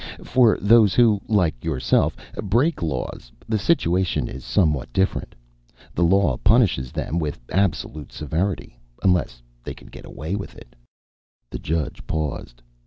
For those who, like yourself, break laws, the situation is somewhat different. The law punishes them with absolute severity unless they can get away with it." The judge paused.